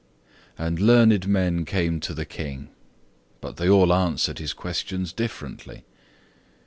And learned men came to the King, but they all answered his questions differently.